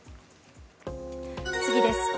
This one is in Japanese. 次です。